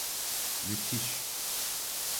Müthiş!